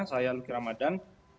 saya luki ramadan